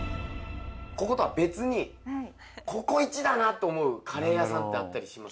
こことは別にここイチだなと思うカレー屋さんってあったりします？